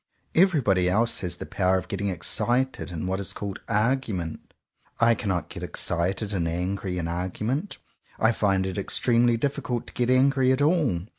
Everybody else has the power of getting excited in what is called "argument." I cannot get excited and angry in argument. I find it extremely difficult to get angry at all.